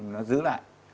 nó giữ lại